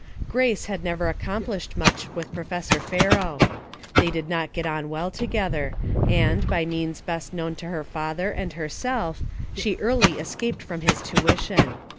Grace had never accomplished much with Pro fessor Fero. They did not get on well together, and, by means best known to her father and her self, she early escaped from his tuition.